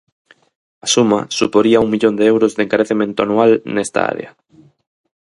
A suma suporía un millón de euros de encarecemento anual nesta área.